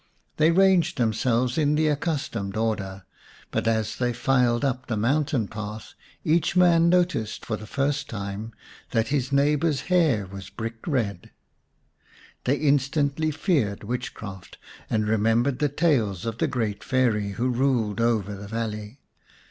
They ranged themselves in the accustomed order, but as they filed up the mountain path each man noticed for the first 164 xiv The Story of Semai mai time that his neighbour's hair was brick red. They instantly feared witchcraft, and remem bered the tales of the great Fairy who ruled over the valley.